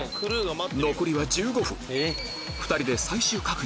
残りは１５分２人で